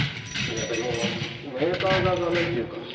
いやでもメーカー側が何て言うか。